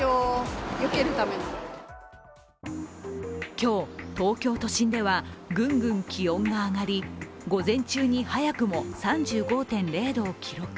今日、東京都心ではぐんぐん気温が上がり、午前中に早くも３５．０度を記録。